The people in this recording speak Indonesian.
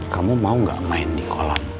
kamu mau gak main di kolam